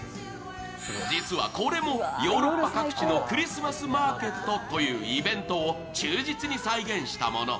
実はこれもヨーロッパ各地のクリスマスマーケットというイベントを忠実に再現したもの。